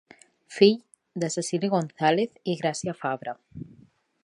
Fill de Cecili González i Gràcia Fabra.